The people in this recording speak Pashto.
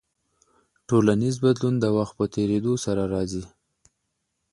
ټولنیز بدلون د وخت په تیریدو سره راځي.